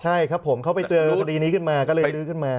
ใช่ครับผมเขาไปเจอคดีนี้ขึ้นมาก็เลยลื้อขึ้นมา